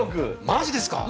マジですか！